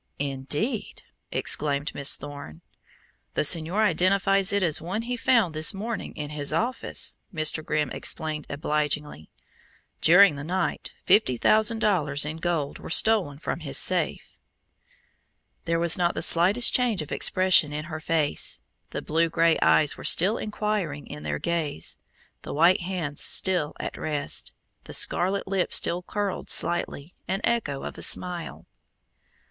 "Indeed!" exclaimed Miss Thorne. "The señor identifies it as one he found this morning in his office," Mr. Grimm explained obligingly. "During the night fifty thousand dollars in gold were stolen from his safe." There was not the slightest change of expression in her face; the blue gray eyes were still inquiring in their gaze, the white hands still at rest, the scarlet lips still curled slightly, an echo of a smile.